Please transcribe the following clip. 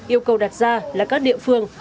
yêu cầu đặt ra là các địa phương